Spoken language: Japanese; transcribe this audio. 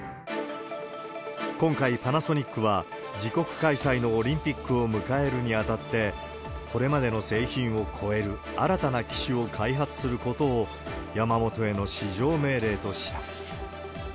今回、パナソニックは自国開催のオリンピックを迎えるにあたって、これまでの製品を超える新たな機種を開発することを、山本への至上命令とした。